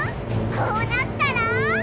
こうなったら？